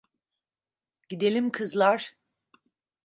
Gidelim kızlar.